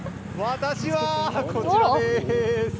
私はこちらです！